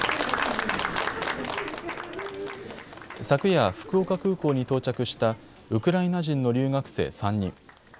昨夜、福岡空港に到着したウクライナ人の留学生３人。